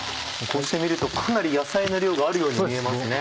こうして見るとかなり野菜の量があるように見えますね。